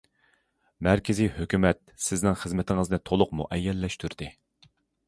مەركىزىي ھۆكۈمەت سىزنىڭ خىزمىتىڭىزنى تولۇق مۇئەييەنلەشتۈردى.